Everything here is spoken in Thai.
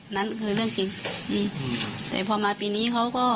นั่นคือเรื่องจริงอืมแต่พอมาปีนี้เขาก็